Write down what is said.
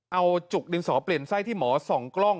เอาจุกดินสอเปลี่ยนไส้ที่หมอส่องกล้อง